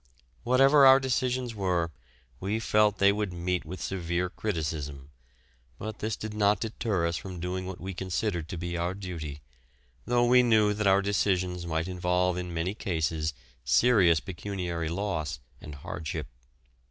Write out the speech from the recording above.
Whatever our decisions were, we felt they would meet with severe criticism; but this did not deter us from doing what we considered to be our duty, though we knew that our decisions might involve in many cases serious pecuniary loss and hardship.